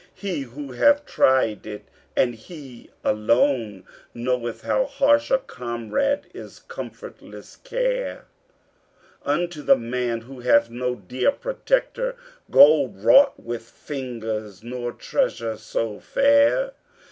He who hath tried it, and he alone, knoweth How harsh a comrade is comfortless Care Unto the man who hath no dear protector, Gold wrought with fingers nor treasure so fair.